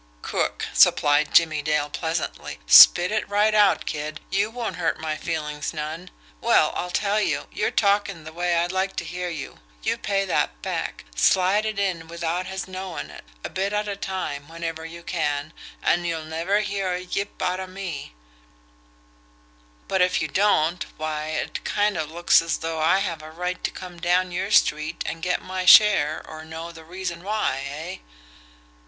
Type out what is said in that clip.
"Crook," supplied Jimmie Dale pleasantly. "Spit it right out, kid; you won't hurt my feelings none. Well, I'll tell you you're talking the way I like to hear you you pay that back, slide it in without his knowing it, a bit at a time, whenever you can, and you'll never hear a yip out of me; but if you don't, why it kind of looks as though I have a right to come down your street and get my share or know the reason why eh?"